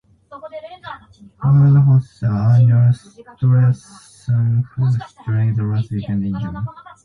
Backnang's hosts the annual "Strassenfest" during the last weekend in June.